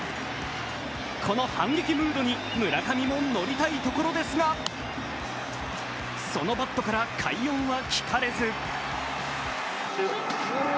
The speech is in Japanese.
この反撃ムードに村上ものりたいところですが、そのバットから快音は聞かれず。